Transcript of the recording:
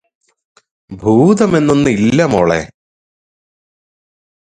ഭൂതം എന്നൊന്ന് ഇല്ല മോളെ